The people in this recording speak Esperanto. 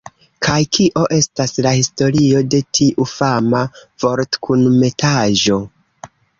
Kaj kio estas la historio de tiu fama vortkunmetaĵo